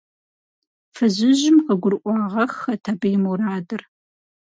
Фызыжьым къыгурыӏуагъэххэт абы и мурадыр.